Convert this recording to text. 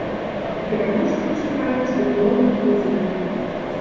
Пераможцаў чакаюць дыпломы і прызы.